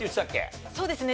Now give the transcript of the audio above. そうですね。